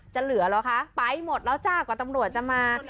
จะเหลือเหรอคะไปหมดแล้วจ้ากว่าตำรวจจะมา